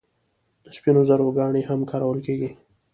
د سپینو زرو ګاڼې هم کارول کیږي.